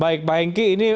baik pak henki